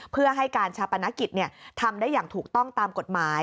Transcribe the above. เพื่อให้การชาปนกิจทำได้อย่างถูกต้องตามกฎหมาย